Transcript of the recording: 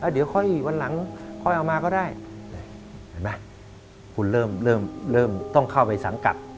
เดี๋ยวค่อยวันหลังค่อยเอามาก็ได้เห็นไหมคุณเริ่มต้องเข้าไปสังกัด